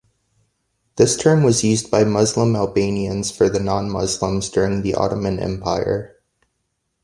This term was used by Muslim Albanians for the non-Muslims during the Ottoman Empire.